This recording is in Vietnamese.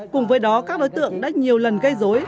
cùng với đó các đối tượng đã nhiều lần gây dối